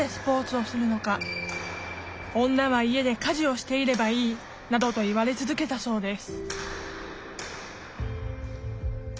「女は家で家事をしていればいい」などと言われ続けたそうです